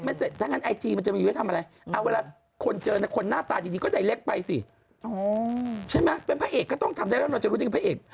ไม่ใช่เมื่อกี้มันก็ไม่ใช่แบบจะให้ได้ดูแบบอยากจะไปอะไรอย่างนั้น